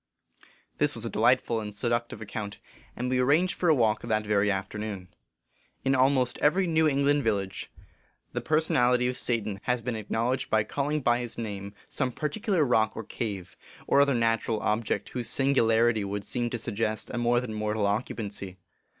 This was a delightful and seductive account, and we arranged for a walk that very afternoon. In almost every New England village the person 190 Wai, Pm the Devil, scz he." Page 199. HOW TO FIGHT THE DEVIL. 191 ality of Satan has been acknowledged by calling by his name some particular rock or cave, or other natu ral object whose singularity would seem to suggest a more than mortal occupancy.